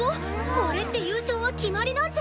これって優勝は決まりなんじゃ！